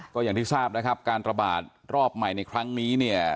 ก็อย่างที่ทราบนะครับการระบาดรอบใหม่ในครั้งนี้เนี่ย